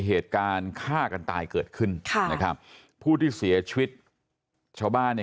เหตุการณ์ฆ่ากันตายเกิดขึ้นค่ะนะครับผู้ที่เสียชีวิตชาวบ้านเนี่ย